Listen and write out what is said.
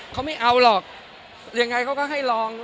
เขาไม่เอาหรอกยังไงเขาก็ให้ลอง